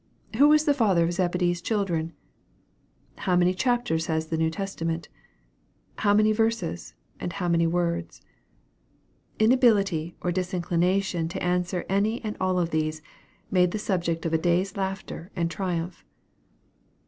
Who was the father of Zebedee's children? How many chapters has the New Testament? How many verses, and how many words?" Inability or disinclination to answer any and all of these, made the subject of a day's laughter and triumph.